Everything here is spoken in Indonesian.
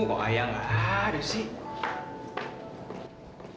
oh ayah nggak ada sih